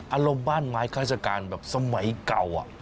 อารมณ์บ้านไม้ค่อยสักการณ์แบบสมัยเก่า